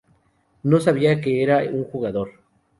No sabía que era un jugador.